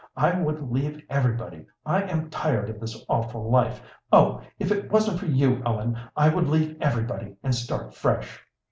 I would leave everybody. I am tired of this awful life. Oh, if it wasn't for you, Ellen, I would leave everybody and start fresh!"